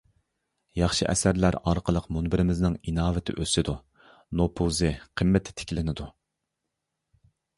ياخشى ئەسەرلەر ئارقىلىق مۇنبىرىمىزنىڭ ئىناۋىتى ئۆسىدۇ، نوپۇزى، قىممىتى تىكلىنىدۇ.